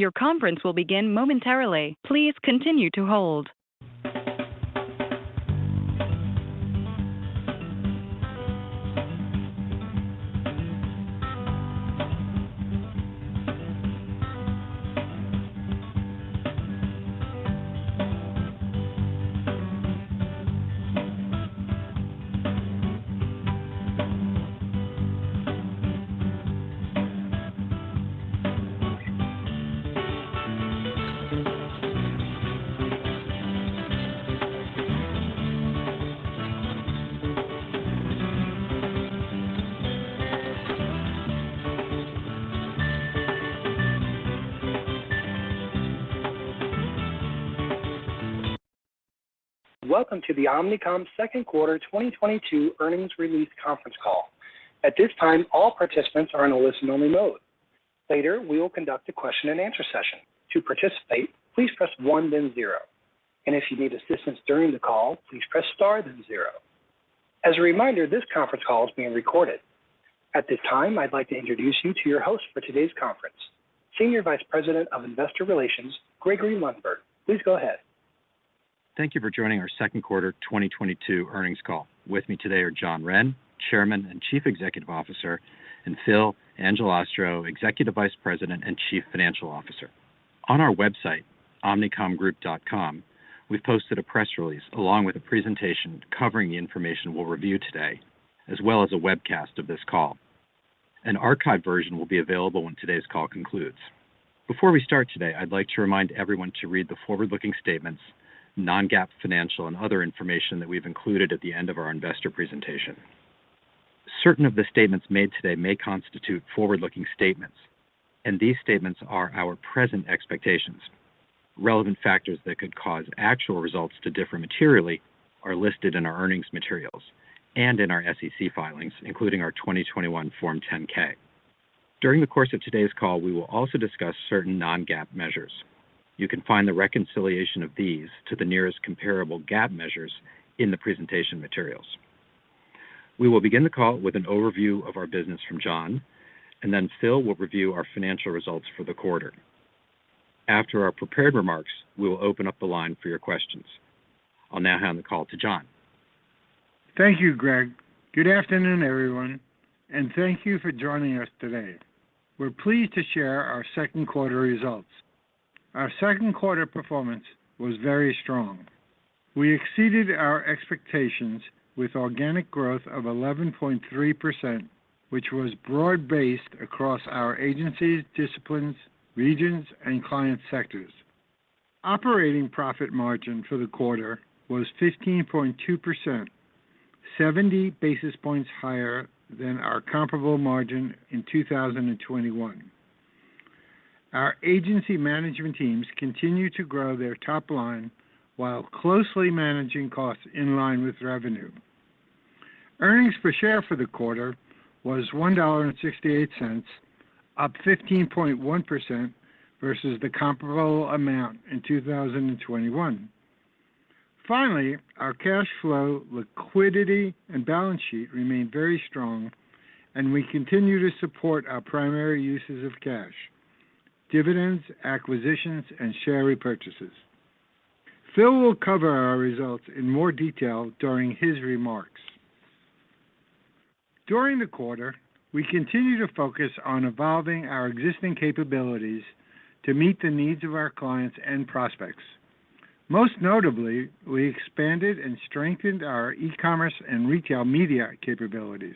Your conference will begin momentarily. Please continue to hold. Welcome to the Omnicom second quarter 2022 earnings release conference call. At this time, all participants are in a listen-only mode. Later, we will conduct a question-and-answer session. To participate, please press one then zero, and if you need assistance during the call, please press star then zero. As a reminder, this conference call is being recorded. At this time, I'd like to introduce you to your host for today's conference, Senior Vice President of Investor Relations, Gregory Lundberg. Please go ahead. Thank you for joining our second quarter 2022 earnings call. With me today are John Wren, Chairman and Chief Executive Officer, and Phil Angelastro, Executive Vice President and Chief Financial Officer. On our website, omnicomgroup.com, we've posted a press release along with a presentation covering the information we'll review today, as well as a webcast of this call. An archive version will be available when today's call concludes. Before we start today, I'd like to remind everyone to read the forward-looking statements, non-GAAP financial and other information that we've included at the end of our investor presentation. Certain of the statements made today may constitute forward-looking statements, and these statements are our present expectations. Relevant factors that could cause actual results to differ materially are listed in our earnings materials and in our SEC filings, including our 2021 Form 10-K. During the course of today's call, we will also discuss certain non-GAAP measures. You can find the reconciliation of these to the nearest comparable GAAP measures in the presentation materials. We will begin the call with an overview of our business from John, and then Phil will review our financial results for the quarter. After our prepared remarks, we will open up the line for your questions. I'll now hand the call to John. Thank you, Greg. Good afternoon, everyone, and thank you for joining us today. We're pleased to share our second quarter results. Our second quarter performance was very strong. We exceeded our expectations with organic growth of 11.3%, which was broad-based across our agencies, disciplines, regions, and client sectors. Operating profit margin for the quarter was 15.2%, 70 basis points higher than our comparable margin in 2021. Our agency management teams continue to grow their top line while closely managing costs in line with revenue. Earnings per share for the quarter was $1.68, up 15.1% versus the comparable amount in 2021. Finally, our cash flow, liquidity, and balance sheet remain very strong, and we continue to support our primary uses of cash, dividends, acquisitions, and share repurchases. Phil will cover our results in more detail during his remarks. During the quarter, we continued to focus on evolving our existing capabilities to meet the needs of our clients and prospects. Most notably, we expanded and strengthened our e-commerce and retail media capabilities.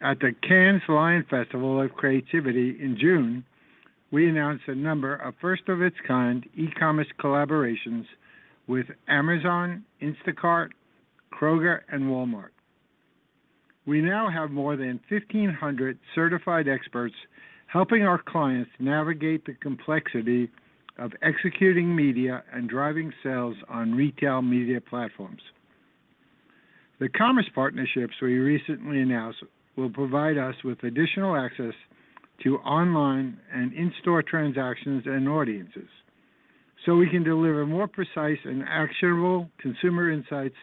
At the Cannes Lions Festival of Creativity in June, we announced a number of first-of-its-kind e-commerce collaborations with Amazon, Instacart, Kroger, and Walmart. We now have more than 1,500 certified experts helping our clients navigate the complexity of executing media and driving sales on retail media platforms. The commerce partnerships we recently announced will provide us with additional access to online and in-store transactions and audiences, so we can deliver more precise and actionable consumer insights,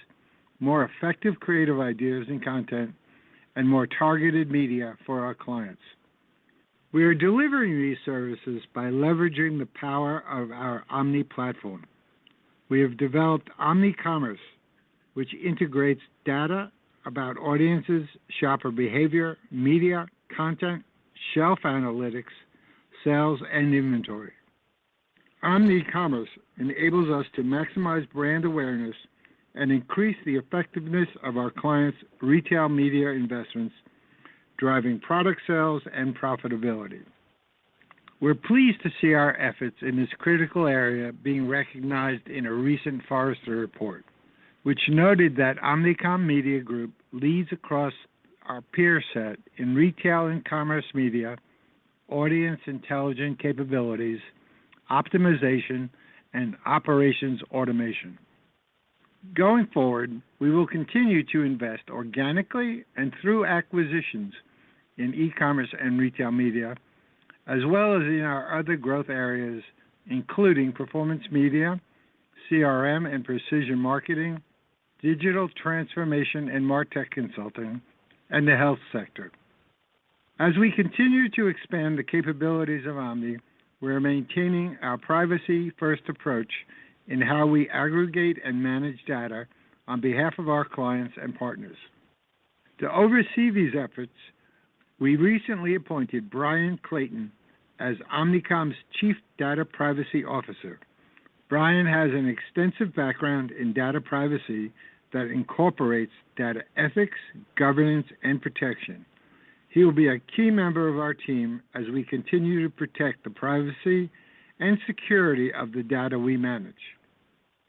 more effective creative ideas and content, and more targeted media for our clients. We are delivering these services by leveraging the power of our Omni platform. We have developed Omni Commerce, which integrates data about audiences, shopper behavior, media, content, shelf analytics, sales, and inventory. Omni Commerce enables us to maximize brand awareness and increase the effectiveness of our clients' retail media investments, driving product sales and profitability. We're pleased to see our efforts in this critical area being recognized in a recent Forrester report, which noted that Omnicom Media Group leads across our peer set in retail and commerce media, audience intelligent capabilities, optimization, and operations automation. Going forward, we will continue to invest organically and through acquisitions in e-commerce and retail media, as well as in our other growth areas, including performance media, CRM and precision marketing, digital transformation and MarTech consulting, and the health sector. As we continue to expand the capabilities of Omnicom, we are maintaining our privacy first approach in how we aggregate and manage data on behalf of our clients and partners. To oversee these efforts, we recently appointed Brian Clayton as Omnicom's Chief Data Privacy Officer. Brian has an extensive background in data privacy that incorporates data ethics, governance, and protection. He will be a key member of our team as we continue to protect the privacy and security of the data we manage.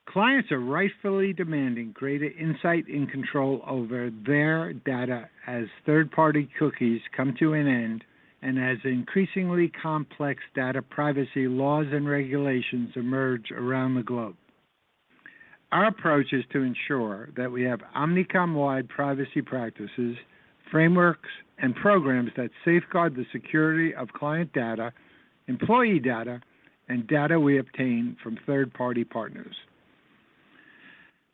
Clients are rightfully demanding greater insight and control over their data as third-party cookies come to an end and as increasingly complex data privacy laws and regulations emerge around the globe. Our approach is to ensure that we have Omnicom-wide privacy practices, frameworks, and programs that safeguard the security of client data, employee data, and data we obtain from third-party partners.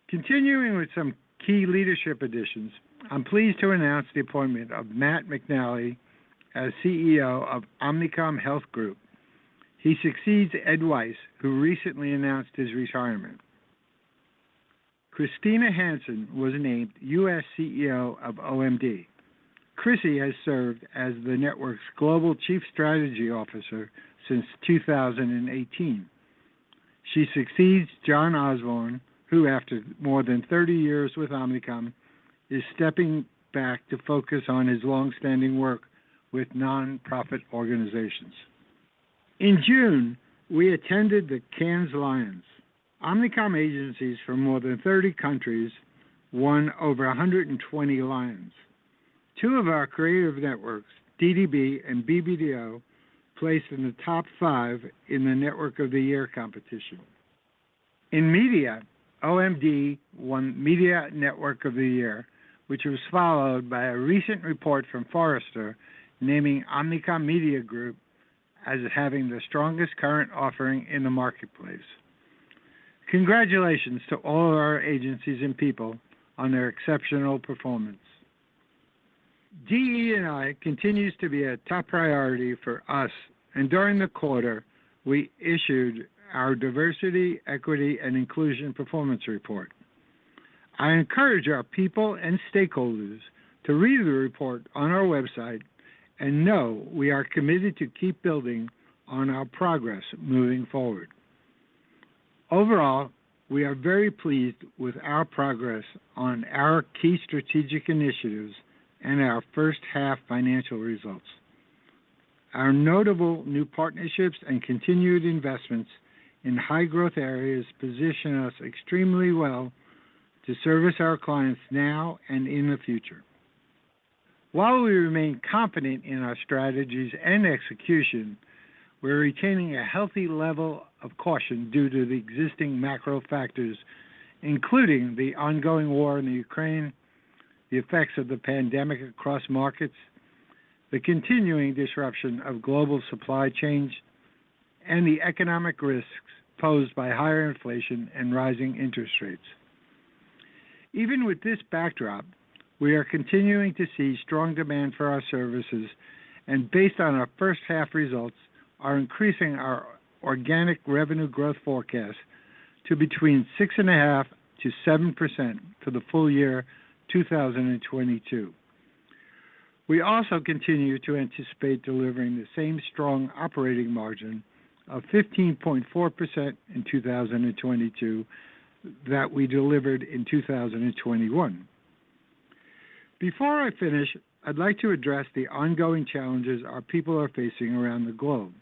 Continuing with some key leadership additions, I'm pleased to announce the appointment of Matt McNally as CEO of Omnicom Health Group. He succeeds Ed Wise, who recently announced his retirement. Christina Hanson was named U.S. CEO of OMD. Chrissy has served as the network's Global Chief Strategy Officer since 2018. She succeeds John Osborn, who after more than 30 years with Omnicom, is stepping back to focus on his long-standing work with nonprofit organizations. In June, we attended the Cannes Lions. Omnicom agencies from more than 30 countries won over 120 Lions. Two of our creative networks, DDB and BBDO, placed in the top 5 in the Network of the Year competition. In media, OMD won Media Network of the Year, which was followed by a recent report from Forrester naming Omnicom Media Group as having the strongest current offering in the marketplace. Congratulations to all our agencies and people on their exceptional performance. DE&I continues to be a top priority for us, and during the quarter, we issued our diversity, equity, and inclusion performance report. I encourage our people and stakeholders to read the report on our website and know we are committed to keep building on our progress moving forward. Overall, we are very pleased with our progress on our key strategic initiatives and our first half financial results. Our notable new partnerships and continued investments in high growth areas position us extremely well to service our clients now and in the future. While we remain confident in our strategies and execution, we're retaining a healthy level of caution due to the existing macro factors, including the ongoing war in Ukraine, the effects of the pandemic across markets, the continuing disruption of global supply chains, and the economic risks posed by higher inflation and rising interest rates. Even with this backdrop, we are continuing to see strong demand for our services and based on our first half results, are increasing our organic revenue growth forecast to between 6.5% to 7% for the full year 2022. We also continue to anticipate delivering the same strong operating margin of 15.4% in 2022 that we delivered in 2021. Before I finish, I'd like to address the ongoing challenges our people are facing around the globe.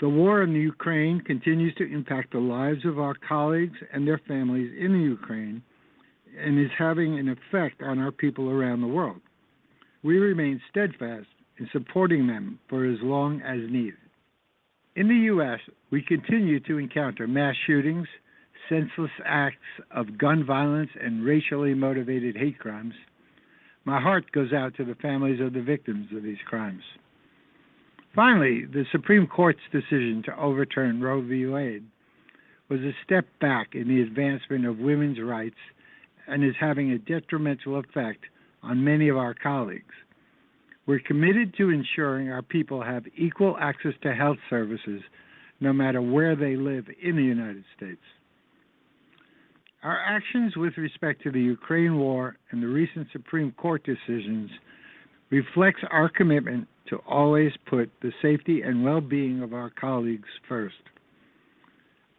The war in the Ukraine continues to impact the lives of our colleagues and their families in the Ukraine and is having an effect on our people around the world. We remain steadfast in supporting them for as long as needed. In the U.S., we continue to encounter mass shootings, senseless acts of gun violence, and racially motivated hate crimes. My heart goes out to the families of the victims of these crimes. Finally, the Supreme Court's decision to overturn Roe v. Wade was a step back in the advancement of women's rights and is having a detrimental effect on many of our colleagues. We're committed to ensuring our people have equal access to health services no matter where they live in the United States. Our actions with respect to the Ukraine war and the recent Supreme Court decisions reflects our commitment to always put the safety and well-being of our colleagues first.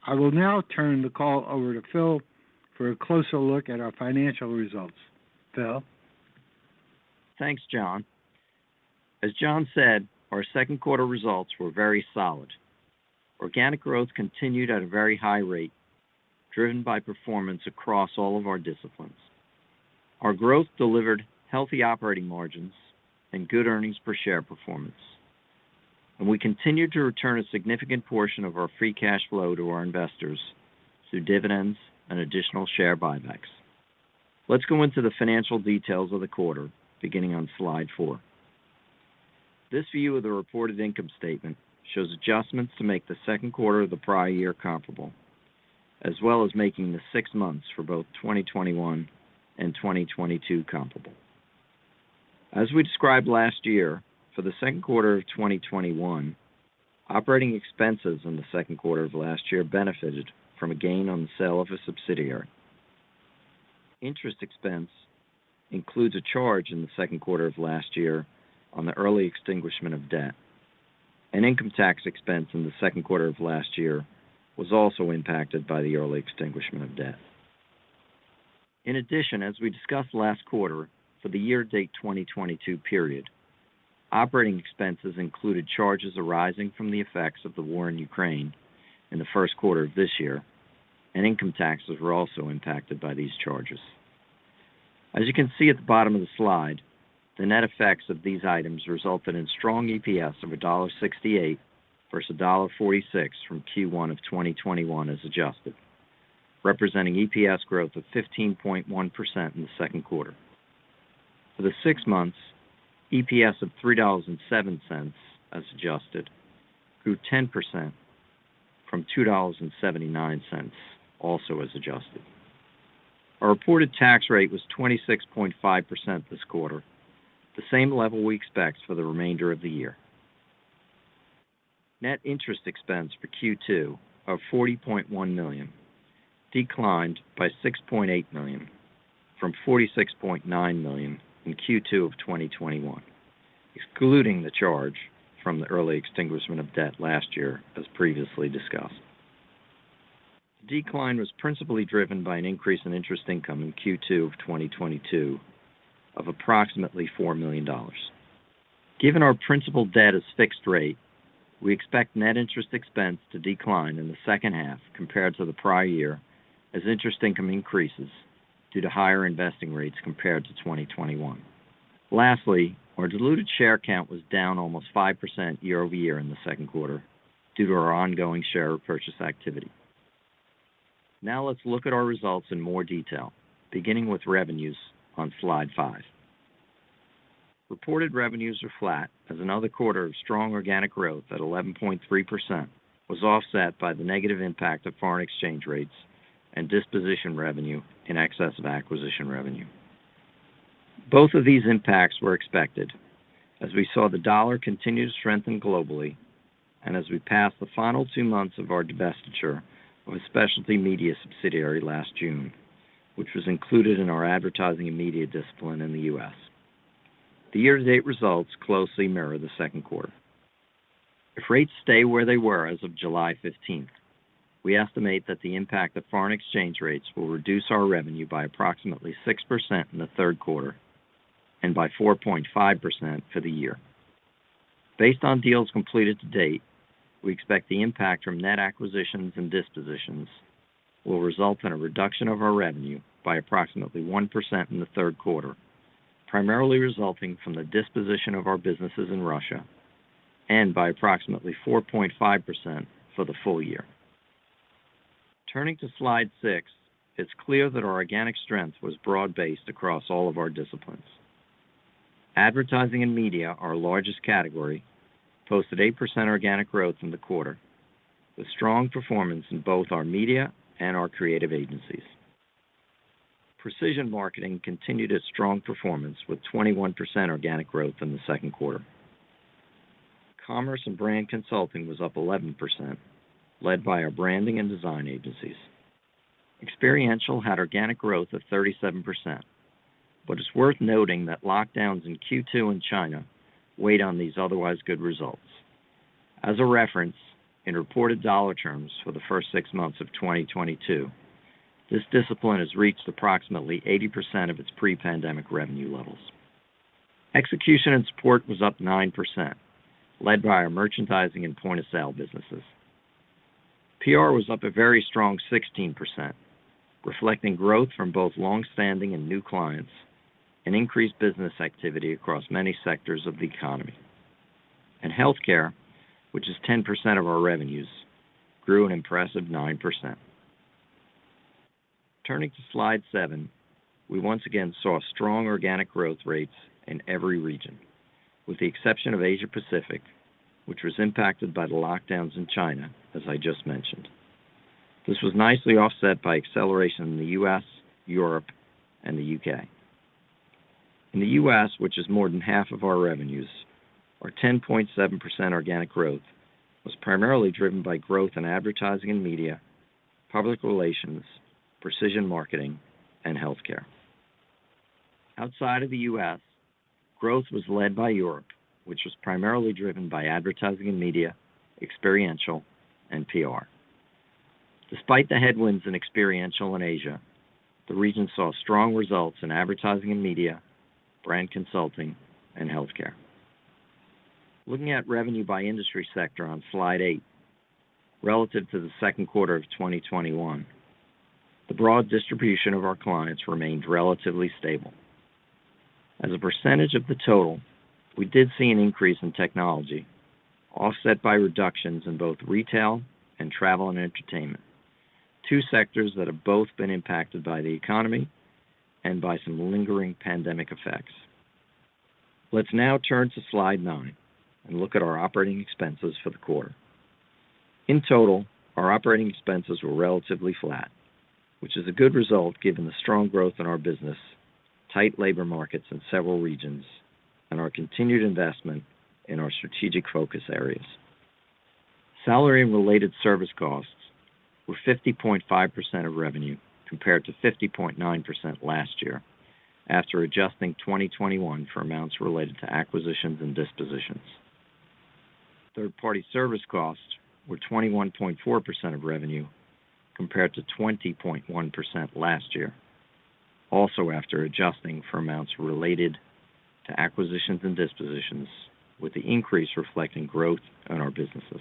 I will now turn the call over to Phil for a closer look at our financial results. Phil? Thanks, John. As John said, our second quarter results were very solid. Organic growth continued at a very high rate, driven by performance across all of our disciplines. Our growth delivered healthy operating margins and good earnings per share performance. We continued to return a significant portion of our free cash flow to our investors through dividends and additional share buybacks. Let's go into the financial details of the quarter beginning on slide four. This view of the reported income statement shows adjustments to make the second quarter of the prior year comparable, as well as making the six months for both 2021 and 2022 comparable. As we described last year, for the second quarter of 2021, operating expenses in the second quarter of last year benefited from a gain on the sale of a subsidiary. Interest expense includes a charge in the second quarter of last year on the early extinguishment of debt. An income tax expense in the second quarter of last year was also impacted by the early extinguishment of debt. In addition, as we discussed last quarter, for the year-to-date 2022 period, operating expenses included charges arising from the effects of the war in Ukraine in the first quarter of this year, and income taxes were also impacted by these charges. As you can see at the bottom of the slide, the net effects of these items resulted in strong EPS of $1.68 versus $1.46 from Q1 of 2021 as adjusted, representing EPS growth of 15.1% in the second quarter. For the six months, EPS of $3.07 as adjusted grew 10% from $2.79, also as adjusted. Our reported tax rate was 26.5% this quarter, the same level we expect for the remainder of the year. Net interest expense for Q2 of $40.1 million declined by $6.8 million from $46.9 million in Q2 of 2021, excluding the charge from the early extinguishment of debt last year, as previously discussed. The decline was principally driven by an increase in interest income in Q2 of 2022 of approximately $4 million. Given our principal debt is fixed rate, we expect net interest expense to decline in the second half compared to the prior year as interest income increases due to higher interest rates compared to 2021. Lastly, our diluted share count was down almost 5% year-over-year in the second quarter due to our ongoing share repurchase activity. Now let's look at our results in more detail, beginning with revenues on slide 5. Reported revenues are flat as another quarter of strong organic growth at 11.3% was offset by the negative impact of foreign exchange rates and disposition revenue in excess of acquisition revenue. Both of these impacts were expected as we saw the dollar continue to strengthen globally and as we passed the final two months of our divestiture of a specialty media subsidiary last June, which was included in our advertising and media discipline in the U.S. The year-to-date results closely mirror the second quarter. If rates stay where they were as of July 15, we estimate that the impact of foreign exchange rates will reduce our revenue by approximately 6% in the third quarter and by 4.5% for the year. Based on deals completed to date, we expect the impact from net acquisitions and dispositions will result in a reduction of our revenue by approximately 1% in the third quarter, primarily resulting from the disposition of our businesses in Russia, and by approximately 4.5% for the full year. Turning to slide six, it's clear that our organic strength was broad-based across all of our disciplines. Advertising and media, our largest category, posted 8% organic growth in the quarter, with strong performance in both our media and our creative agencies. Precision marketing continued its strong performance with 21% organic growth in the second quarter. Commerce and brand consulting was up 11%, led by our branding and design agencies. Experiential had organic growth of 37%, but it's worth noting that lockdowns in Q2 in China weighed on these otherwise good results. As a reference, in reported dollar terms for the first six months of 2022, this discipline has reached approximately 80% of its pre-pandemic revenue levels. Execution and support was up 9%, led by our merchandising and point-of-sale businesses. PR was up a very strong 16%, reflecting growth from both longstanding and new clients and increased business activity across many sectors of the economy. Healthcare, which is 10% of our revenues, grew an impressive 9%. Turning to slide seven, we once again saw strong organic growth rates in every region, with the exception of Asia-Pacific, which was impacted by the lockdowns in China, as I just mentioned. This was nicely offset by acceleration in the US, Europe, and the U.K. In the U.S., which is more than half of our revenues, our 10.7% organic growth was primarily driven by growth in advertising and media, public relations, precision marketing, and healthcare. Outside of the US, growth was led by Europe, which was primarily driven by advertising and media, experiential, and PR. Despite the headwinds in experiential in Asia, the region saw strong results in advertising and media, brand consulting, and healthcare. Looking at revenue by industry sector on slide eight, relative to the second quarter of 2021, the broad distribution of our clients remained relatively stable. As a percentage of the total, we did see an increase in technology, offset by reductions in both retail and travel and entertainment. Two sectors that have both been impacted by the economy and by some lingering pandemic effects. Let's now turn to slide nine and look at our operating expenses for the quarter. In total, our operating expenses were relatively flat, which is a good result given the strong growth in our business, tight labor markets in several regions, and our continued investment in our strategic focus areas. Salary and related service costs were 50.5% of revenue compared to 50.9% last year after adjusting 2021 for amounts related to acquisitions and dispositions. Third-party service costs were 21.4% of revenue compared to 20.1% last year, also after adjusting for amounts related to acquisitions and dispositions, with the increase reflecting growth in our businesses.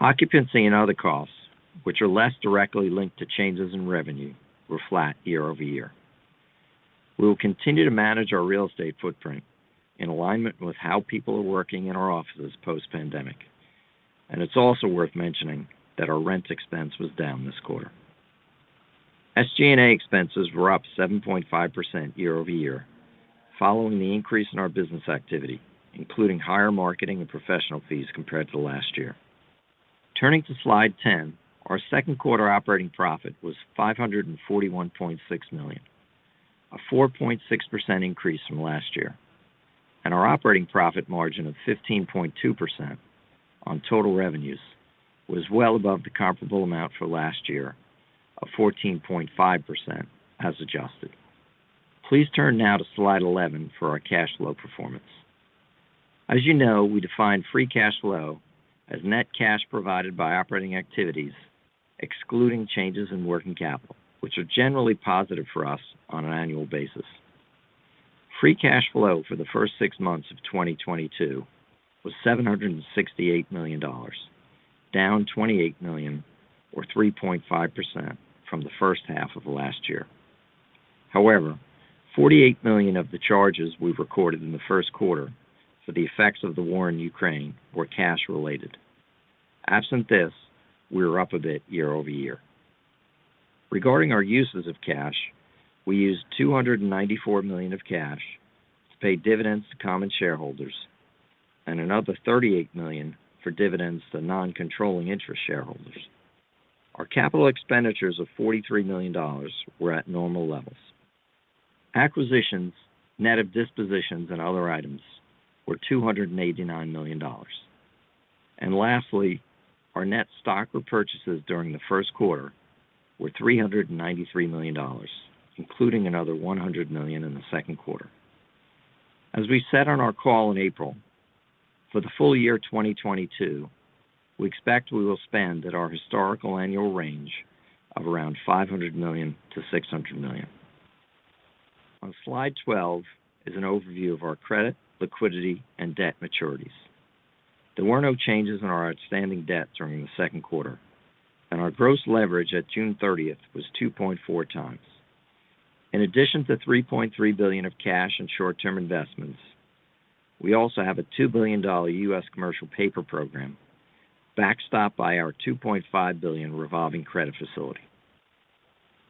Occupancy and other costs, which are less directly linked to changes in revenue, were flat year-over-year. We will continue to manage our real estate footprint in alignment with how people are working in our offices post-pandemic. It's also worth mentioning that our rent expense was down this quarter. SG&A expenses were up 7.5% year-over-year following the increase in our business activity, including higher marketing and professional fees compared to last year. Turning to slide 10, our second quarter operating profit was $541.6 million, a 4.6% increase from last year. Our operating profit margin of 15.2% on total revenues was well above the comparable amount for last year of 14.5% as adjusted. Please turn now to slide 11 for our cash flow performance. As you know, we define free cash flow as net cash provided by operating activities, excluding changes in working capital, which are generally positive for us on an annual basis. Free cash flow for the first six months of 2022 was $768 million, down $28 million or 3.5% from the first half of last year. However, $48 million of the charges we recorded in the first quarter for the effects of the war in Ukraine were cash related. Absent this, we were up a bit year over year. Regarding our uses of cash, we used $294 million of cash to pay dividends to common shareholders and another $38 million for dividends to non-controlling interest shareholders. Our capital expenditures of $43 million were at normal levels. Acquisitions, net of dispositions and other items, were $289 million. Lastly, our net stock repurchases during the first quarter were $393 million, including another $100 million in the second quarter. As we said on our call in April, for the full year 2022, we expect we will spend at our historical annual range of around $500 million-$600 million. On slide 12 is an overview of our credit, liquidity, and debt maturities. There were no changes in our outstanding debt during the second quarter, and our gross leverage at June 30 was 2.4x. In addition to $3.3 billion of cash and short-term investments, we also have a $2 billion U.S. commercial paper program backstopped by our $2.5 billion revolving credit facility.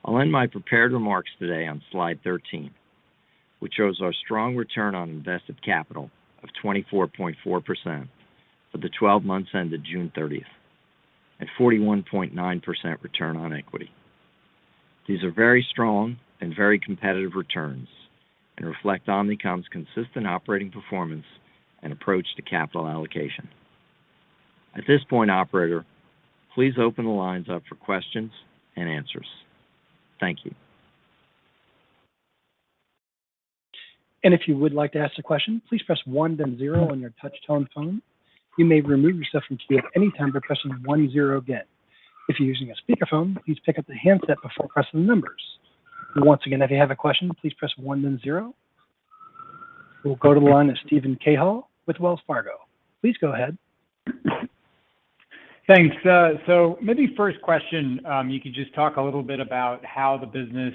I'll end my prepared remarks today on slide 13, which shows our strong return on invested capital of 24.4% for the 12 months ended June 30 at 41.9% return on equity. These are very strong and very competitive returns and reflect Omnicom's consistent operating performance and approach to capital allocation. At this point, operator, please open the lines up for questions and answers. Thank you. If you would like to ask a question, please press one then zero on your touch-tone phone. You may remove yourself from queue at any time by pressing one, zero again. If you're using a speakerphone, please pick up the handset before pressing the numbers. Once again, if you have a question, please press one then zero. We'll go to the line of Steven Cahall with Wells Fargo. Please go ahead. Thanks. So maybe first question, you could just talk a little bit about how the business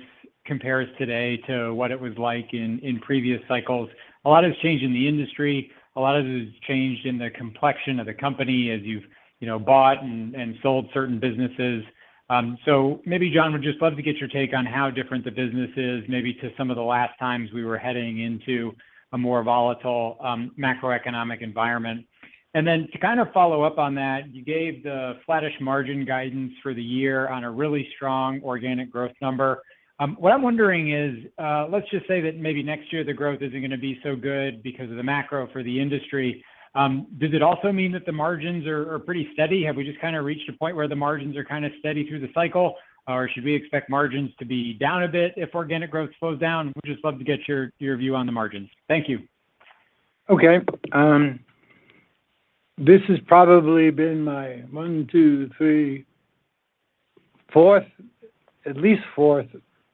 compares today to what it was like in previous cycles. A lot has changed in the industry. A lot of it has changed in the complexion of the company as you've, you know, bought and sold certain businesses. So maybe, John, would just love to get your take on how different the business is maybe to some of the last times we were heading into a more volatile macroeconomic environment. Then to kind of follow up on that, you gave the flattish margin guidance for the year on a really strong organic growth number. What I'm wondering is, let's just say that maybe next year the growth isn't gonna be so good because of the macro for the industry. Does it also mean that the margins are pretty steady? Have we just kind of reached a point where the margins are kind of steady through the cycle? Or should we expect margins to be down a bit if organic growth slows down? Would just love to get your view on the margins. Thank you. Okay. This has probably been my one, two, three, fourth, at least fourth,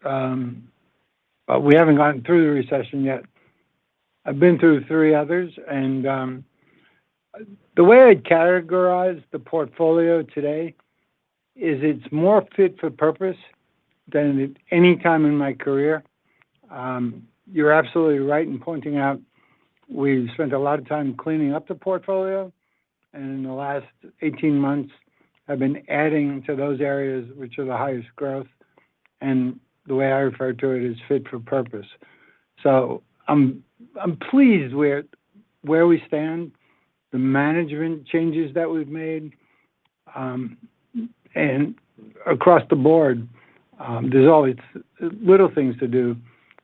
but we haven't gotten through the recession yet. I've been through three others. The way I'd categorize the portfolio today is it's more fit for purpose than at any time in my career. You're absolutely right in pointing out we've spent a lot of time cleaning up the portfolio, and in the last 18 months have been adding to those areas which are the highest growth. The way I refer to it is fit for purpose. I'm pleased with where we stand, the management changes that we've made, and across the board, there's always little things to do.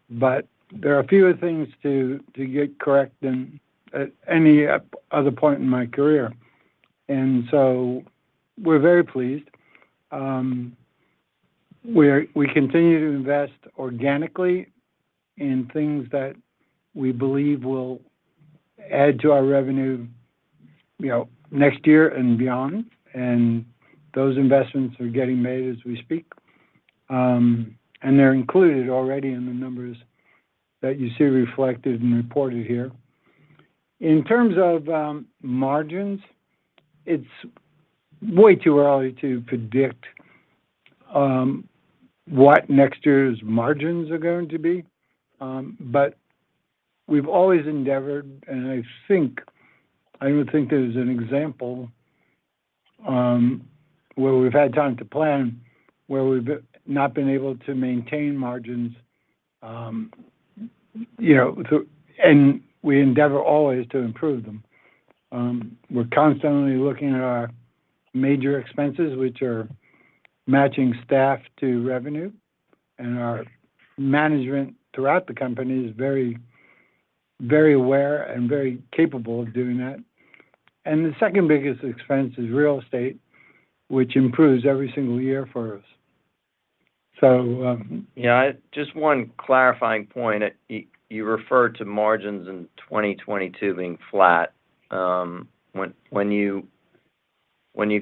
There are fewer things to get correct than at any other point in my career. We're very pleased, we continue to invest organically in things that we believe will add to our revenue, you know, next year and beyond. Those investments are getting made as we speak. They're included already in the numbers that you see reflected and reported here. In terms of margins, it's way too early to predict what next year's margins are going to be. We've always endeavored, and I think I would think as an example, where we've had time to plan where we've not been able to maintain margins, you know. We endeavor always to improve them. We're constantly looking at our major expenses, which are matching staff to revenue, and our management throughout the company is very, very aware and very capable of doing that. The second biggest expense is real estate, which improves every single year for us. Yeah, just one clarifying point. You referred to margins in 2022 being flat. When you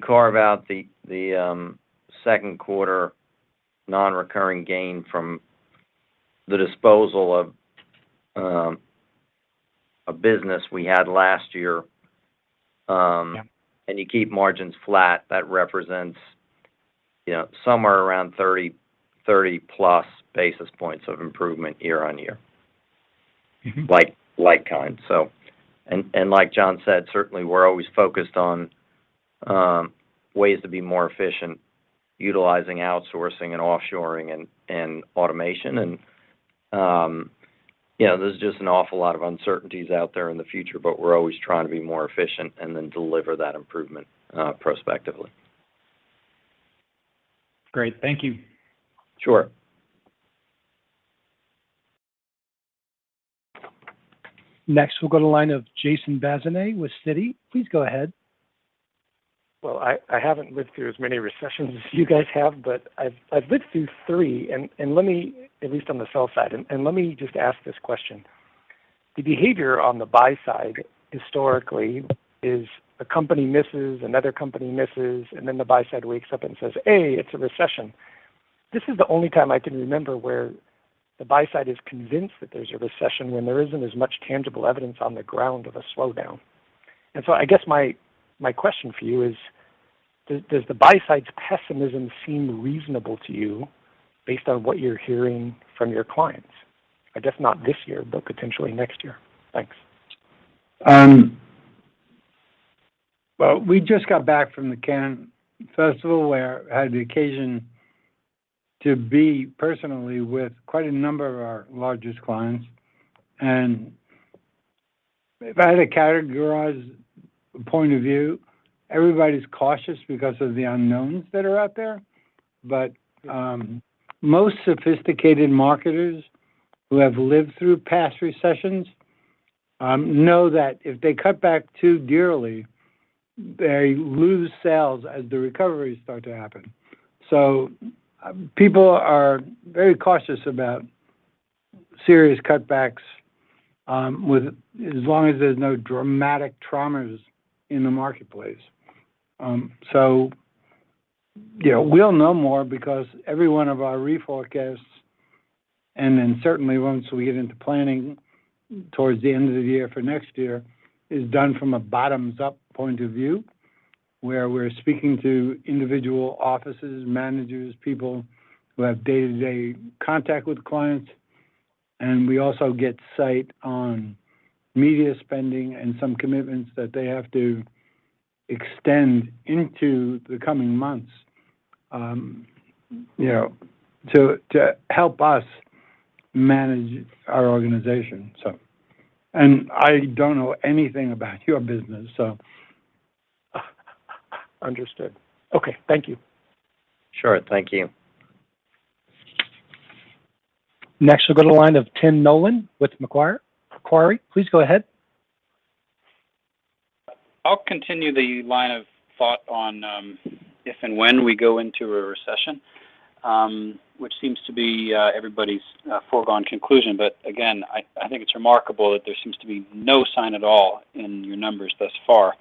carve out the second quarter non-recurring gain from the disposal of a business we had last year. Yeah You keep margins flat, that represents, you know, somewhere around 30+ basis points of improvement year-over-year. Mm-hmm. Like kind. Like John said, certainly we're always focused on ways to be more efficient utilizing outsourcing and offshoring and automation. You know, there's just an awful lot of uncertainties out there in the future, but we're always trying to be more efficient and then deliver that improvement prospectively. Great. Thank you. Sure. Next, we'll go to line of Jason Bazinet with Citi. Please go ahead. Well, I haven't lived through as many recessions as you guys have, but I've lived through three. Let me just ask this question. The behavior on the buy side historically is a company misses, another company misses, and then the buy side wakes up and says, "Ah, it's a recession." This is the only time I can remember where the buy side is convinced that there's a recession when there isn't as much tangible evidence on the ground of a slowdown. I guess my question for you is, does the buy side's pessimism seem reasonable to you based on what you're hearing from your clients? I guess not this year, but potentially next year. Thanks. Well, we just got back from the Cannes Lions where I had the occasion to be personally with quite a number of our largest clients. If I had to categorize point of view, everybody's cautious because of the unknowns that are out there. Most sophisticated marketers who have lived through past recessions know that if they cut back too dearly, they lose sales as the recoveries start to happen. People are very cautious about serious cutbacks as long as there's no dramatic traumas in the marketplace. You know, we'll know more because every one of our forecasts, and then certainly once we get into planning towards the end of the year for next year, is done from a bottoms-up point of view, where we're speaking to individual offices, managers, people who have day-to-day contact with clients. We also get insight on media spending and some commitments that they have to extend into the coming months, you know, to help us manage our organization. I don't know anything about your business, so. Understood. Okay. Thank you. Sure. Thank you. Next we'll go to line of Tim Nollen with Macquarie. Please go ahead. I'll continue the line of thought on if and when we go into a recession, which seems to be everybody's foregone conclusion. Again, I think it's remarkable that there seems to be no sign at all in your numbers thus far.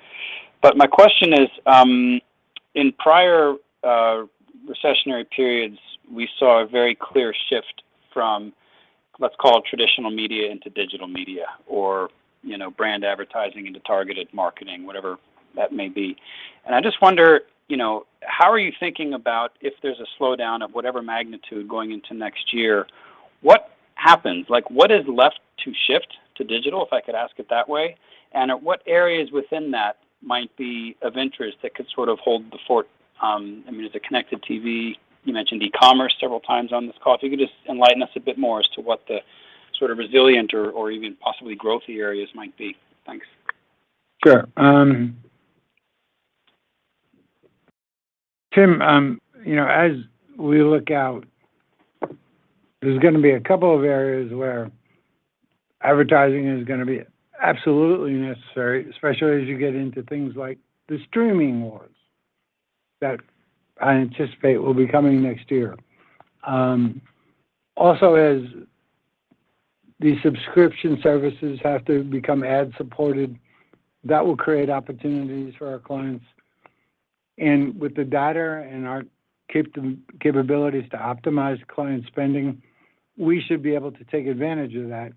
My question is, in prior recessionary periods, we saw a very clear shift from, let's call it traditional media into digital media or, you know, brand advertising into targeted marketing, whatever that may be. I just wonder, you know, how are you thinking about if there's a slowdown of whatever magnitude going into next year, what. happens? Like what is left to shift to digital, if I could ask it that way? What areas within that might be of interest that could sort of hold the fort, I mean is it connected TV? You mentioned e-commerce several times on this call. If you could just enlighten us a bit more as to what the sort of resilient or even possibly growthy areas might be. Thanks. Sure. Tim, you know, as we look out, there's gonna be a couple of areas where advertising is gonna be absolutely necessary, especially as you get into things like the streaming wars that I anticipate will be coming next year. Also as the subscription services have to become ad supported, that will create opportunities for our clients. With the data and our capabilities to optimize client spending, we should be able to take advantage of that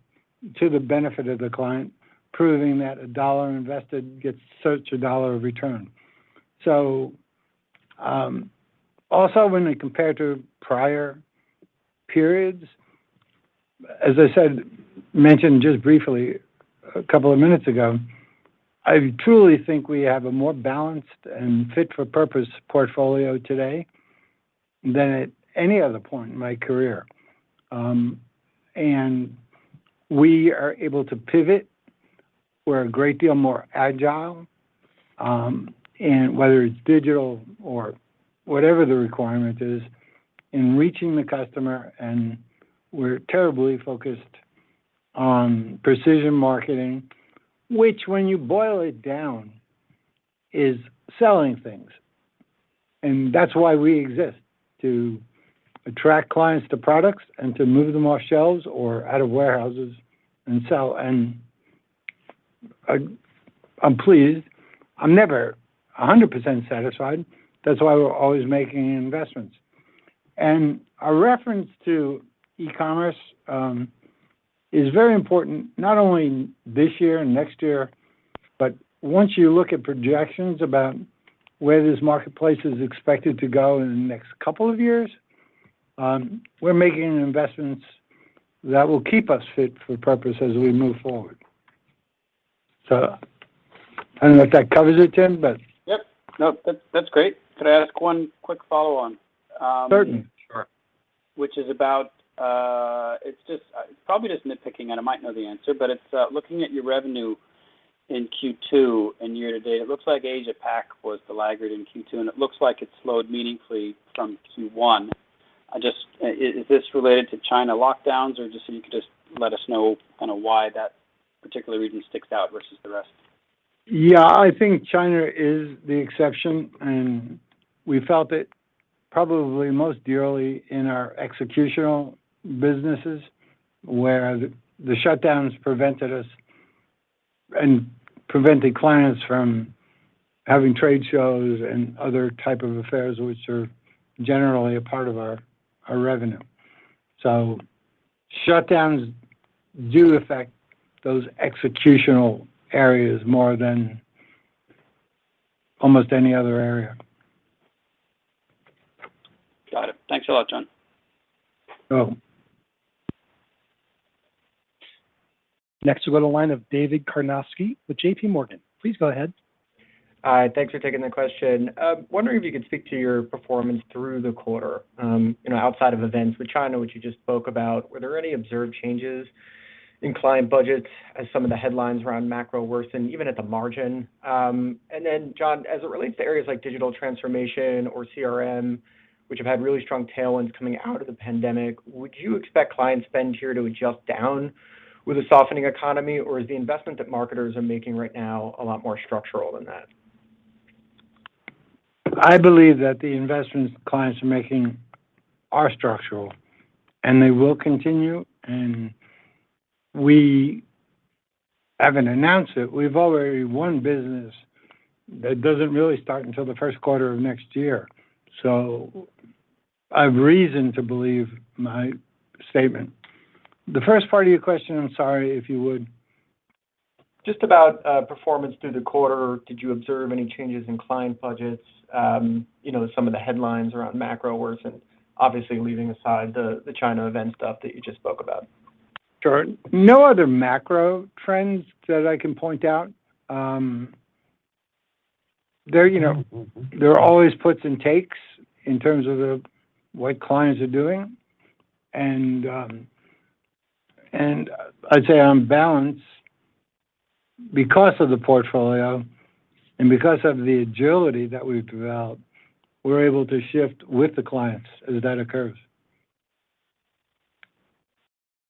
to the benefit of the client, proving that a dollar invested gets such a dollar of return. Also when compared to prior periods, as I mentioned just briefly a couple of minutes ago, I truly think we have a more balanced and fit for purpose portfolio today than at any other point in my career. We are able to pivot. We're a great deal more agile, and whether it's digital or whatever the requirement is in reaching the customer, and we're terribly focused on precision marketing, which when you boil it down, is selling things. That's why we exist, to attract clients to products and to move them off shelves or out of warehouses and sell. I'm pleased. I'm never 100% satisfied. That's why we're always making investments. A reference to e-commerce is very important not only this year and next year, but once you look at projections about where this marketplace is expected to go in the next couple of years, we're making investments that will keep us fit for purpose as we move forward. I don't know if that covers it, Tim, but- Yep. No, that's great. Could I ask one quick follow on? Certainly. Sure which is about, it's just, probably just nitpicking, and I might know the answer, but it's, looking at your revenue in Q2 and year to date, it looks like Asia Pac was the laggard in Q2, and it looks like it slowed meaningfully from Q1. I just, is this related to China lockdowns or just, so you could just let us know kinda why that particular region sticks out versus the rest? Yeah. I think China is the exception, and we felt it probably most dearly in our executional businesses where the shutdowns prevented us and prevented clients from having trade shows and other type of affairs, which are generally a part of our revenue. Shutdowns do affect those executional areas more than almost any other area. Got it. Thanks a lot, John. You're welcome. Next we go to the line of David Karnovsky with JPMorgan. Please go ahead. Thanks for taking the question. Wondering if you could speak to your performance through the quarter. You know, outside of events with China, which you just spoke about, were there any observed changes in client budgets as some of the headlines around macro worsened even at the margin? John, as it relates to areas like digital transformation or CRM, which have had really strong tailwinds coming out of the pandemic, would you expect client spend here to adjust down with a softening economy, or is the investment that marketers are making right now a lot more structural than that? I believe that the investments clients are making are structural, and they will continue, and we haven't announced it. We've already won business that doesn't really start until the first quarter of next year. I've reason to believe my statement. The first part of your question, I'm sorry, if you would. Just about performance through the quarter. Did you observe any changes in client budgets? You know, some of the headlines around macro worsening, obviously leaving aside the China event stuff that you just spoke about. Sure. No other macro trends that I can point out. You know, there are always puts and takes in terms of what clients are doing. I'd say on balance, because of the portfolio and because of the agility that we've developed, we're able to shift with the clients as that occurs.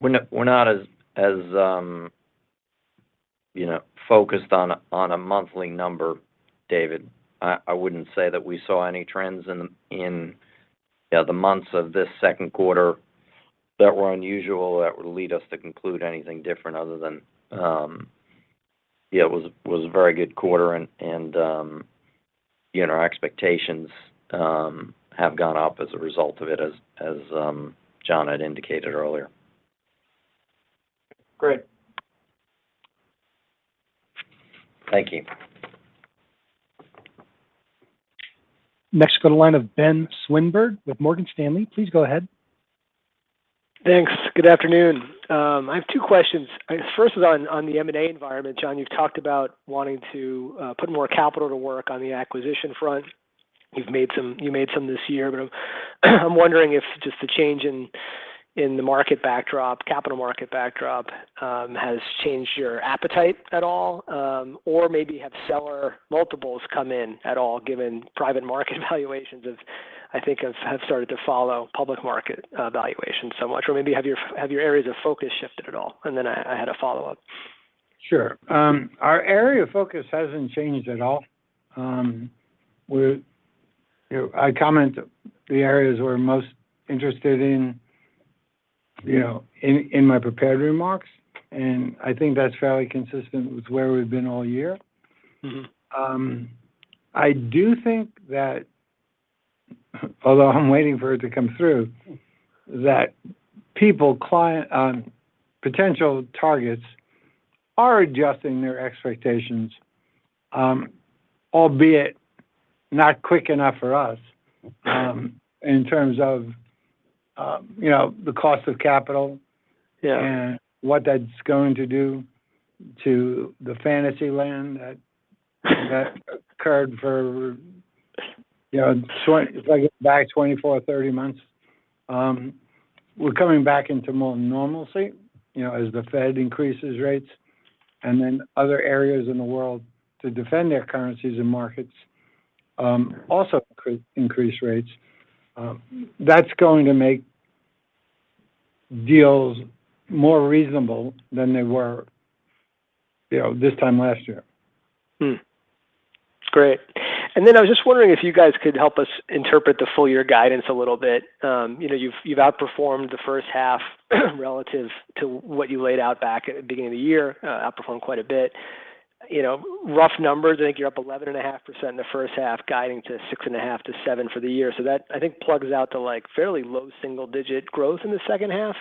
We're not as, you know, focused on a monthly number, David. I wouldn't say that we saw any trends in, you know, the months of this second quarter that were unusual that would lead us to conclude anything different other than, yeah, it was a very good quarter and, you know, our expectations have gone up as a result of it as John had indicated earlier. Great. Thank you. Next, go to line of Benjamin Swinburne with Morgan Stanley. Please go ahead. Thanks. Good afternoon. I have two questions. I guess first is on the M&A environment. John, you've talked about wanting to put more capital to work on the acquisition front. You made some this year, but I'm wondering if just the change in the market backdrop, capital market backdrop, has changed your appetite at all, or maybe have seller multiples come in at all, given private market valuations have, I think, started to follow public market valuations so much? Or maybe have your areas of focus shifted at all? I had a follow-up. Sure. Our area of focus hasn't changed at all. We're, you know, I commented on the areas we're most interested in, you know, in my prepared remarks, and I think that's fairly consistent with where we've been all year. Mm-hmm. I do think that, although I'm waiting for it to come through, that people, client, potential targets are adjusting their expectations, albeit not quick enough for us, in terms of, you know, the cost of capital. Yeah What that's going to do to the fantasy land that occurred for, you know, 24-30 months. We're coming back into more normalcy, you know, as the Fed increases rates, and then other areas in the world to defend their currencies and markets, also increase rates. That's going to make deals more reasonable than they were, you know, this time last year. That's great. I was just wondering if you guys could help us interpret the full year guidance a little bit. You know, you've outperformed the first half relative to what you laid out back at the beginning of the year, outperformed quite a bit. You know, rough numbers, I think you're up 11.5% in the first half, guiding to 6.5% to 7% for the year. That, I think, plugs to, like, fairly low single digit growth in the second half.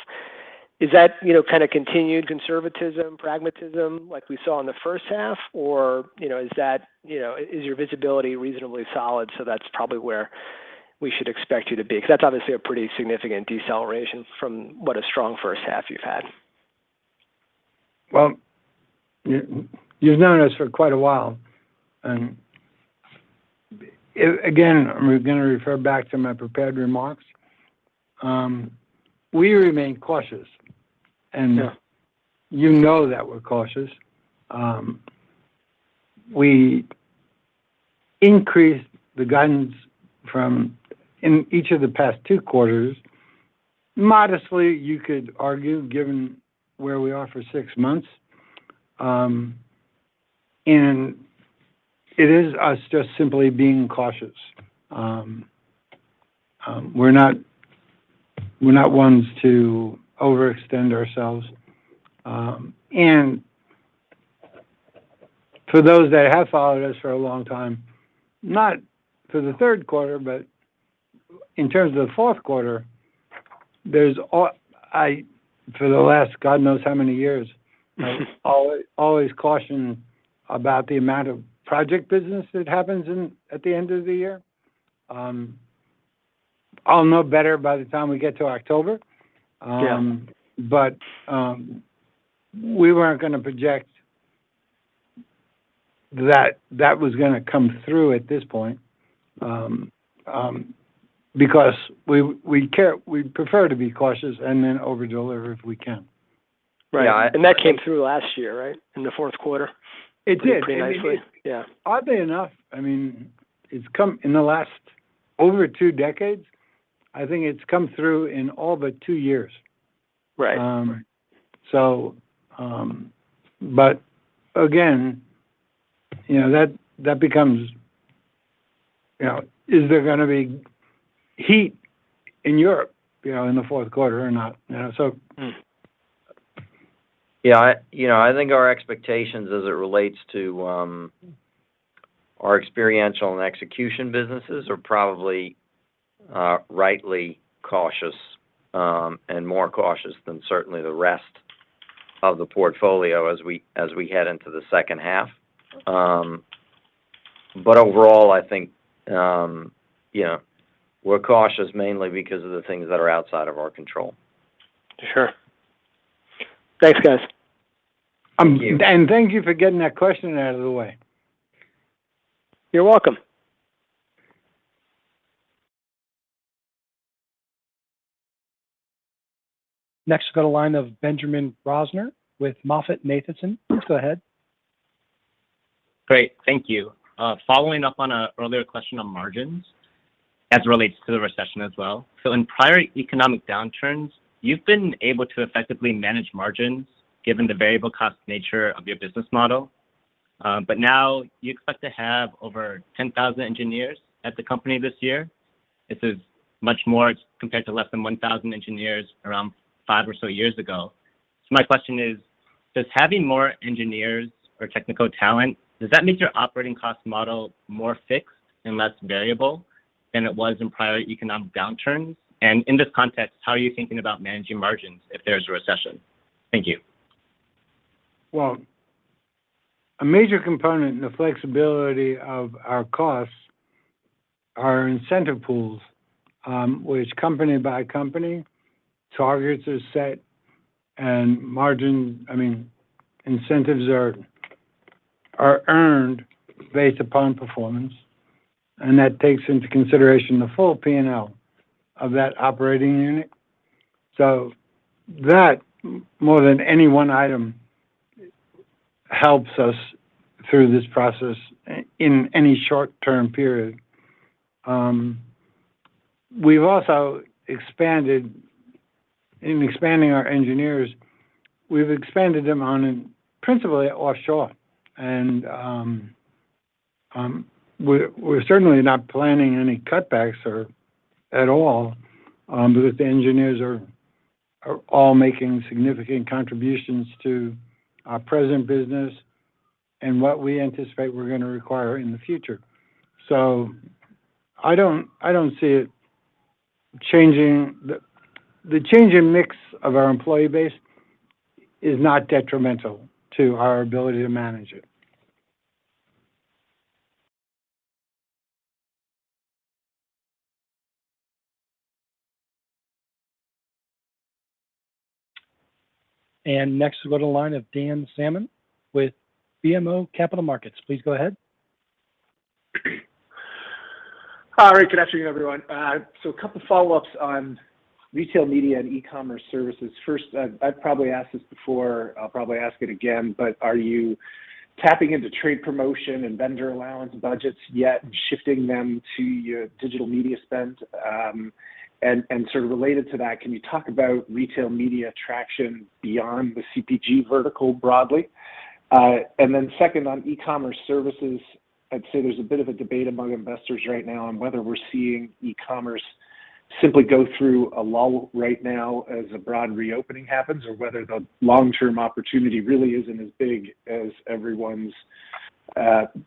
Is that, you know, kind of continued conservatism, pragmatism like we saw in the first half? Or, you know, is that, you know, is your visibility reasonably solid, so that's probably where we should expect you to be? 'Cause that's obviously a pretty significant deceleration from what a strong first half you've had. Well, you've known us for quite a while, and again, I'm gonna refer back to my prepared remarks. We remain cautious, and Sure. You know that we're cautious. We increased the guidance in each of the past two quarters modestly, you could argue, given where we are for six months. It is us just simply being cautious. We're not ones to overextend ourselves. For those that have followed us for a long time, not for the third quarter, but in terms of the fourth quarter, I've always cautioned about the amount of project business that happens at the end of the year. I'll know better by the time we get to October. Yeah. We weren't gonna project that was gonna come through at this point, because we'd prefer to be cautious and then over-deliver if we can. Right. That came through last year, right? In the fourth quarter- It did. I mean. Pretty nicely. Yeah. Oddly enough, I mean, it's come in the last over two decades, I think it's come through in all but two years. Right. Again, you know, that becomes, you know, is there gonna be heat in Europe, you know, in the fourth quarter or not? You know, Mm. Yeah. You know, I think our expectations as it relates to our experiential and execution businesses are probably rightly cautious, and more cautious than certainly the rest of the portfolio as we head into the second half. Overall, I think, you know, we're cautious mainly because of the things that are outside of our control. Sure. Thanks, guys. Thank you for getting that question out of the way. You're welcome. Next, go to line of Michael Nathanson with MoffettNathanson. Go ahead. Great. Thank you. Following up on an earlier question on margins as it relates to the recession as well. In prior economic downturns, you've been able to effectively manage margins given the variable cost nature of your business model. Now you expect to have over 10,000 engineers at the company this year. This is much more compared to less than 1,000 engineers around five or so years ago. My question is, does having more engineers or technical talent make your operating cost model more fixed and less variable than it was in prior economic downturns? In this context, how are you thinking about managing margins if there's a recession? Thank you. Well, a major component in the flexibility of our costs are incentive pools, which company by company targets are set and I mean, incentives are earned based upon performance, and that takes into consideration the full P&L of that operating unit. So that, more than any one item, helps us through this process in any short-term period. In expanding our engineers, we've expanded them principally offshore. We're certainly not planning any cutbacks at all, because the engineers are all making significant contributions to our present business and what we anticipate we're gonna require in the future. I don't see it. The change in mix of our employee base is not detrimental to our ability to manage it. Next, we go to the line of Dan Salmon with BMO Capital Markets. Please go ahead. All right. Good afternoon, everyone. A couple follow-ups on retail media and e-commerce services. First, I've probably asked this before, I'll probably ask it again, but are you tapping into trade promotion and vendor allowance budgets yet and shifting them to your digital media spend? And sort of related to that, can you talk about retail media traction beyond the CPG vertical broadly? And then second, on e-commerce services, I'd say there's a bit of a debate among investors right now on whether we're seeing e-commerce simply go through a lull right now as a broad reopening happens, or whether the long-term opportunity really isn't as big as everyone's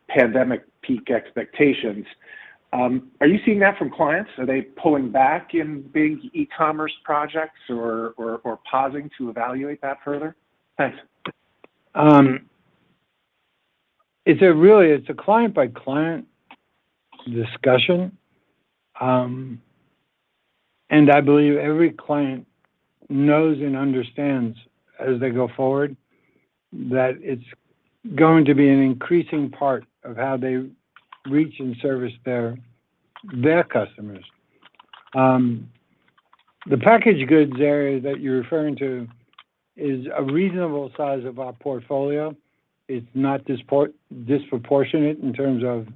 pandemic peak expectations. Are you seeing that from clients? Are they pulling back in big e-commerce projects or pausing to evaluate that further? Thanks. It's a client-by-client discussion. I believe every client knows and understands as they go forward that it's going to be an increasing part of how they reach and service their customers. The packaged goods area that you're referring to is a reasonable size of our portfolio. It's not disproportionate in terms of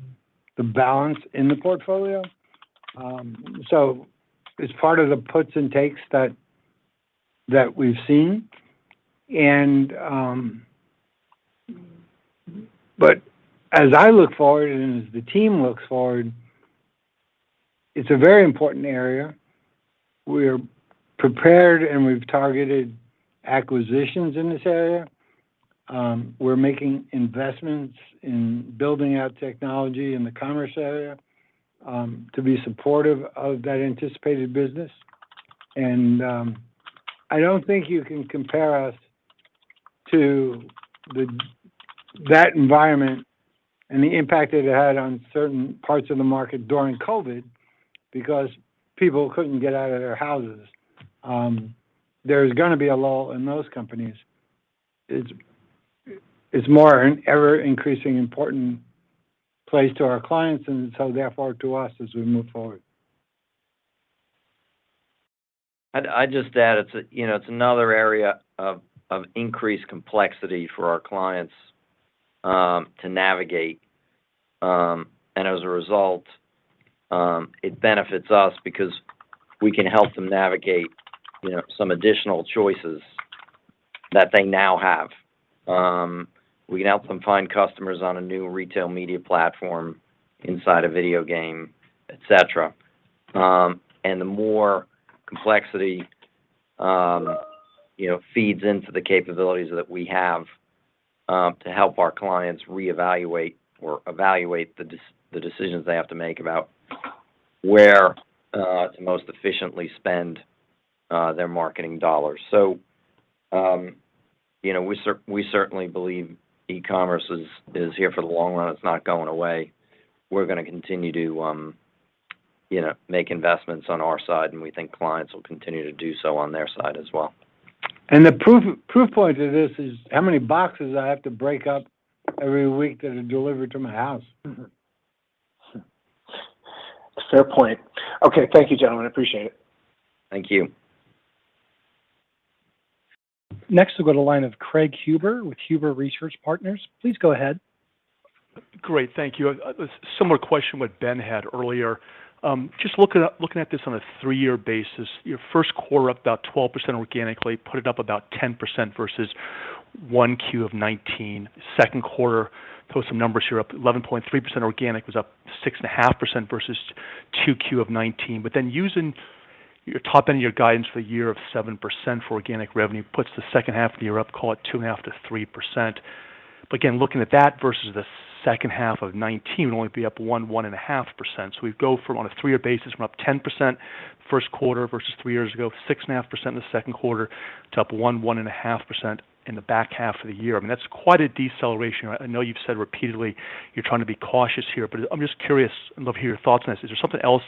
the balance in the portfolio. It's part of the puts and takes that we've seen. As I look forward and as the team looks forward, it's a very important area. We're prepared, and we've targeted acquisitions in this area. We're making investments in building out technology in the commerce area to be supportive of that anticipated business. I don't think you can compare us to that environment and the impact that it had on certain parts of the market during COVID because people couldn't get out of their houses. There's gonna be a lull in those companies. It's more an ever-increasing important place to our clients and so therefore to us as we move forward. I'd just add it's a you know it's another area of increased complexity for our clients to navigate. As a result, it benefits us because we can help them navigate you know some additional choices that they now have. We can help them find customers on a new retail media platform inside a video game, et cetera. The more complexity you know feeds into the capabilities that we have to help our clients reevaluate or evaluate the decisions they have to make about where to most efficiently spend their marketing dollars. You know we certainly believe e-commerce is here for the long run. It's not going away. We're gonna continue to, you know, make investments on our side, and we think clients will continue to do so on their side as well. The proof point of this is how many boxes I have to break up every week that are delivered to my house. Fair point. Okay. Thank you, gentlemen. I appreciate it. Thank you. Next, we go to line of Craig Huber with Huber Research Partners. Please go ahead. Great. Thank you. A similar question to what Ben had earlier. Just looking at this on a three-year basis, your first quarter up about 12% organically, puts it up about 10% versus 1Q 2019. Second quarter, throw some numbers here up 11.3% organic was up 6.5% versus 2Q 2019. Then using your top end of your guidance for the year of 7% for organic revenue puts the second half of the year up, call it 2.5%-3%. Again, looking at that versus the second half of 2019 would only be up 1-1.5%. We go from on a three-year basis, we're up 10% first quarter versus three years ago, 6.5% in the second quarter, to up 1-1.5% in the back half of the year. I mean, that's quite a deceleration. I know you've said repeatedly you're trying to be cautious here, but I'm just curious. I'd love to hear your thoughts on this. Is there something else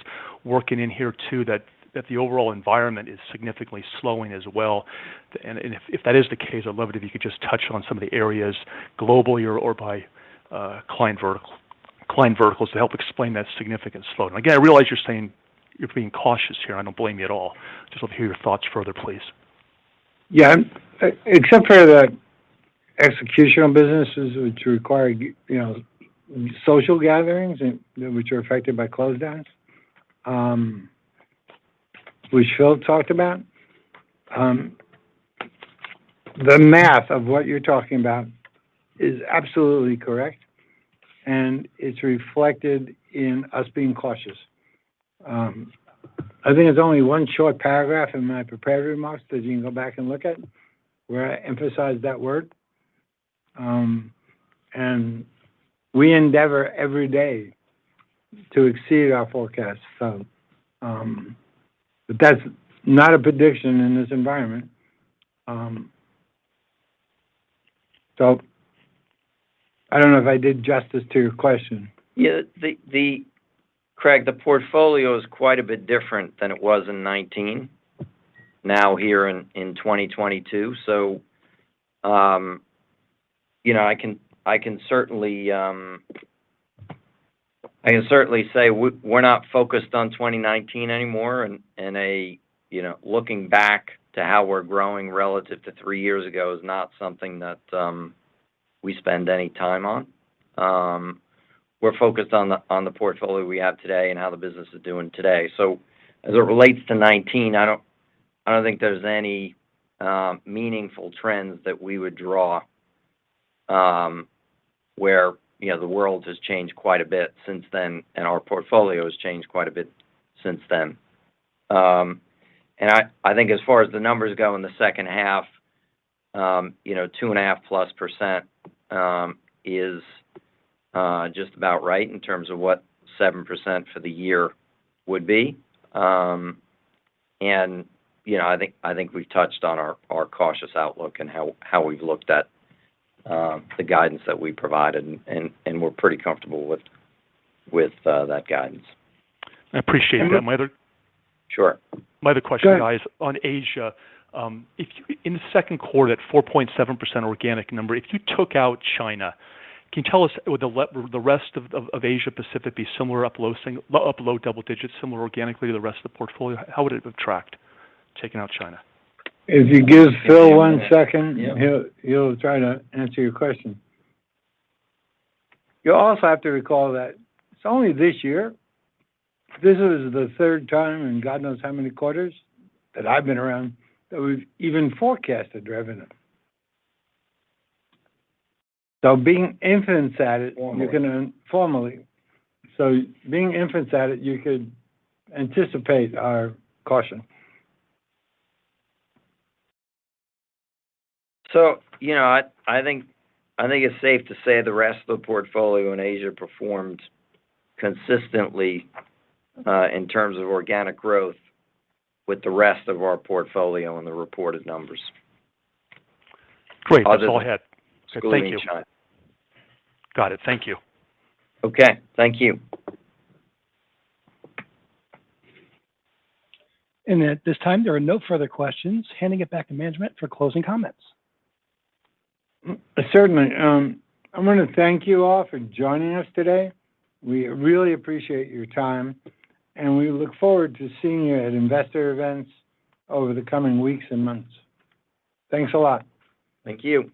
working in here, too, that the overall environment is significantly slowing as well? If that is the case, I'd love it if you could just touch on some of the areas globally or by client verticals to help explain that significant slowdown. Again, I realize you're saying you're being cautious here. I don't blame you at all. Just love to hear your thoughts further, please. Yeah. Except for the execution of businesses which require you know, social gatherings and which are affected by lockdowns, which Phil talked about, the math of what you're talking about is absolutely correct, and it's reflected in us being cautious. I think there's only one short paragraph in my prepared remarks that you can go back and look at where I emphasize that word. We endeavor every day to exceed our forecasts. That's not a prediction in this environment. I don't know if I did justice to your question. Yeah. Craig, the portfolio is quite a bit different than it was in 2019 now here in 2022. You know, I can certainly say we're not focused on 2019 anymore and, you know, looking back to how we're growing relative to three years ago is not something that we spend any time on. We're focused on the portfolio we have today and how the business is doing today. As it relates to 2019, I don't think there's any meaningful trends that we would draw, where, you know, the world has changed quite a bit since then and our portfolio has changed quite a bit since then. I think as far as the numbers go in the second half, you know, 2.5%+ is just about right in terms of what 7% for the year would be. You know, I think we've touched on our cautious outlook and how we've looked at the guidance that we provided, and we're pretty comfortable with that guidance. I appreciate that. Sure. My other question, guys, on Asia, if in the second quarter at 4.7% organic number, if you took out China, can you tell us, would the rest of Asia Pacific be similar up low double digits, similar organically to the rest of the portfolio? How would it have tracked taking out China? If you give Phil one second. Yeah. He'll try to answer your question. You also have to recall that it's only this year, this is the third time in God knows how many quarters that I've been around that we've even forecasted revenue. Being infants at it, you can. Formally. Formally. Being infants at it, you could anticipate our caution. You know, I think it's safe to say the rest of the portfolio in Asia performed consistently in terms of organic growth with the rest of our portfolio and the reported numbers. Great. That's all I had. Other- Thank you. Excluding China. Got it. Thank you. Okay. Thank you. At this time, there are no further questions. Handing it back to management for closing comments. Certainly. I want to thank you all for joining us today. We really appreciate your time, and we look forward to seeing you at investor events over the coming weeks and months. Thanks a lot. Thank you.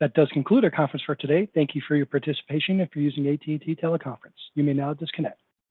That does conclude our conference for today. Thank you for your participation. If you're using AT&T teleconference, you may now disconnect.